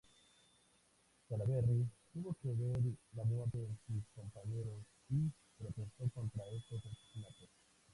Salaverry tuvo que ver la muerte de sus compañeros y protestó contra estos asesinatos.